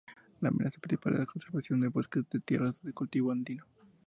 La amenaza principal es la conversión de bosques en tierras de cultivo andino.